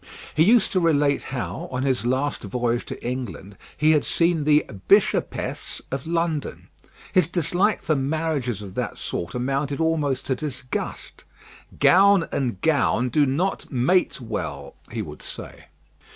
He used to relate how, on his last voyage to England, he had seen the "Bishop_ess_" of London. His dislike for marriages of that sort amounted almost to disgust. "Gown and gown do not mate well," he would say.